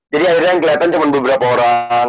jadi akhirnya yang keliatan cuma beberapa orang